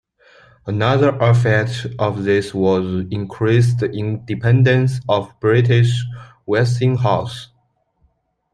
Another effect of this was the increased independence of British Westinghouse.